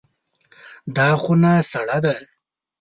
دا خونه سړه ده.